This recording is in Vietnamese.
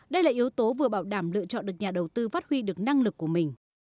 đây là yếu tố vừa bảo đảm lựa chọn được nhà đầu tư phát huy được năng lực của mình